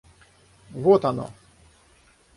Вот оно!